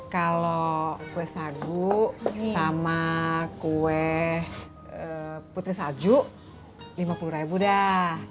kalau kue sagu sama kue putri salju lima puluh dah